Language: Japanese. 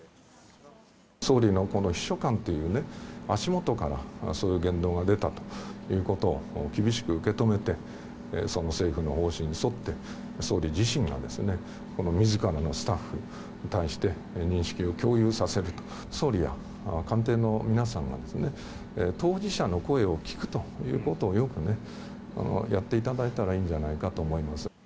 総理のこの秘書官というね、足元からそういう言動が出たということを厳しく受け止めて、その政府の方針に沿って、総理自身がですね、このみずからのスタッフに対して、認識を共有させると、総理や官邸の皆さんがですね、当事者の声を聞くということをよくね、やっていただいたらいいんじゃないかと思います。